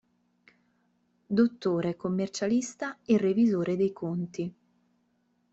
Dottore commercialista e revisore dei conti.